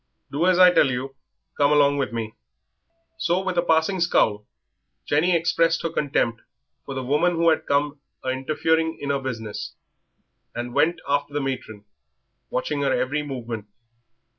"Do as I tell you. Come along with me." So with a passing scowl Jenny expressed her contempt for the woman who had come "a interfering in 'er business," and went after the matron, watching her every movement.